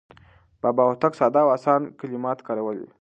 بابا هوتک ساده او اسان کلمات کارولي دي.